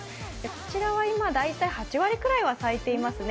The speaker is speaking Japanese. こちらは今、８割くらいは咲いていますね。